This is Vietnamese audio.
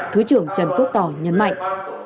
thứ trưởng trần quốc tỏ nhấn mạnh